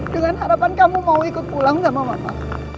dengan harapan kamu mau ikut pulang sama bapak